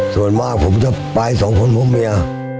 ส่วนมากผมจะไป๒คนพบเมีย